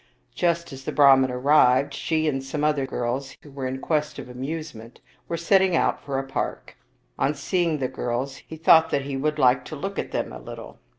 Just as the Brahman arrived, she and some other girls who were in quest of amusement were setting out for a park. On seeing the girls, he thought that he would like to look at them a little.